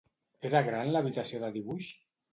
Era gran l'habitació de dibuix?